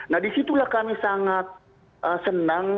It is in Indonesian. nah disitulah kami sangat senang